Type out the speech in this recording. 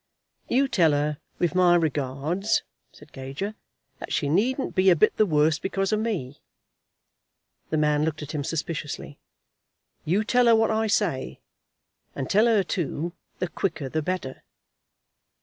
"You tell her, with my regards," said Gager, "that she needn't be a bit the worse because of me." The man looked at him suspiciously. "You tell her what I say. And tell her, too, the quicker the better.